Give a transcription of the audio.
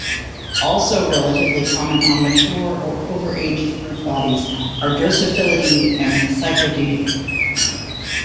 Also relatively common on mature or overaged fruit bodies are Drosophilidae and Psychodidae.